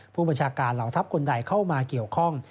ผู้บัญชาการเหล่าทัพคนใดเข้ามาเกี่ยวข้อง